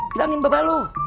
bilangin bapak lu